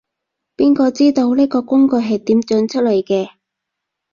邊個知道，呢個工具係點整出嚟嘅